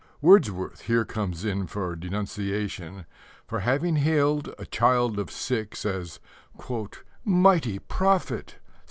Wordsworth here comes in for denunciation for having hailed a child of six as "Mighty Prophet!